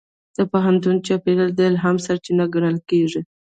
د پوهنتون چاپېریال د الهام سرچینه ګڼل کېږي.